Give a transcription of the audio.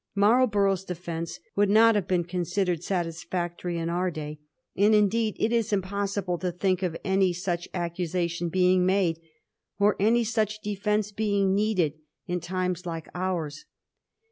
Marlborough's defence would not have been considered satisfiictory in our day ; and, indeed, it is impoBsible to think of any such accusation being made, or any such defence being needed, in times like ours.